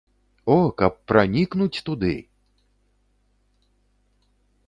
О, каб пранікнуць туды!